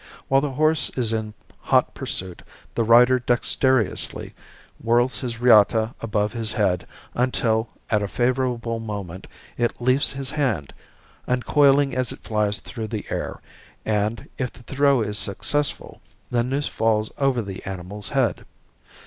While the horse is in hot pursuit the rider dexterously whirls his reata above his head until, at a favorable moment, it leaves his hand, uncoiling as it flies through the air, and, if the throw is successful, the noose falls over the animal's head.